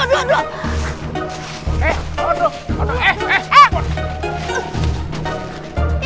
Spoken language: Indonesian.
belum belum belum belum belum